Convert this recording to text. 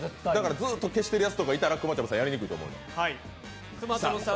ずっと消してるやつがいたらくまちょむさんやりにくいと思います。